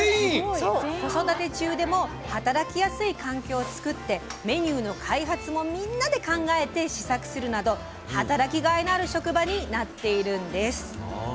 子育て中でも働きやすい環境を作ってメニューの開発もみんなで考えて試作するなど働きがいのある職場になっているんです。